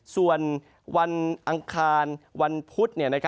ส่วนวันอังคารวันพุธ